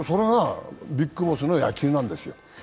それがＢＩＧＢＯＳＳの野球なんですよ。